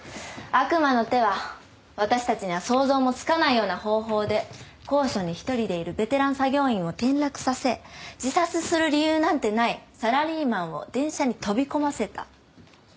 悪魔の手は私たちには想像もつかないような方法で高所に一人でいるベテラン作業員を転落させ自殺する理由なんてないサラリーマンを電車に飛び込ませた。